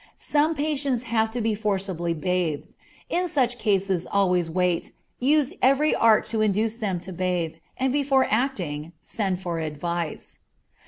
Some patients have to be forcibly bathed. In such cases always wait, use every art to induce them to bathe, and before acting send for advice.